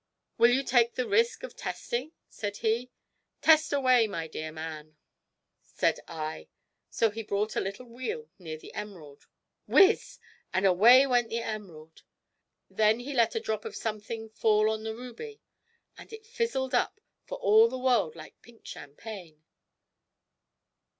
"Will you take the risk of testing?" said he. "Test away, my dear man!" said I. So he brought a little wheel near the emerald "whizz!" and away went the emerald! Then he let a drop of something fall on the ruby and it fizzled up for all the world like pink champagne.